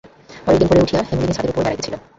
পরের দিন ভোরে উঠিয়া হেমনলিনী ছাদের উপর বেড়াইতেছিল।